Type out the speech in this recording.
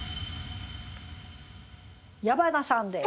矢花さんです。